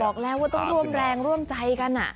บอกแล้วว่าต้องร่วมแรงร่วมใจกัน